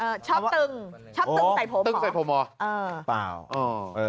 ชอบตึงชอบตึงใส่ผมตึงใส่ผมเหรออ่าเปล่าเออเออ